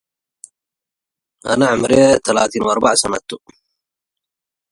Still to be discovered is the very first episode.